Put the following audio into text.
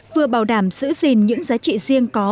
vừa bảo đảm giữ gìn những giá trị riêng có